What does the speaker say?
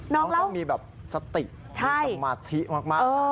น้องต้องมีสติสมาธิมาก